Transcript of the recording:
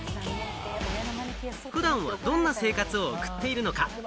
普段はどんな生活を送っているのか？